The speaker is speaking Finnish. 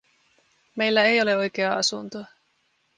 Meillä ei ole oikeaa asuntoa.